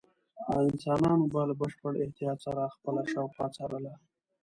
انسانانو به له بشپړ احتیاط سره خپله شاوخوا څارله.